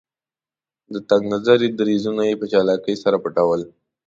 د تنګ نظري دریځونه یې په چالاکۍ سره پټول.